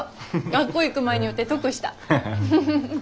学校行く前に寄って得した。